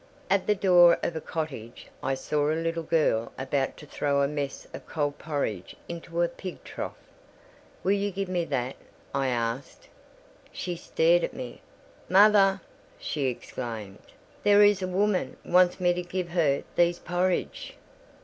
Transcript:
At the door of a cottage I saw a little girl about to throw a mess of cold porridge into a pig trough. "Will you give me that?" I asked. "Will you give me that?" I asked She stared at me. "Mother!" she exclaimed, "there is a woman wants me to give her these porridge."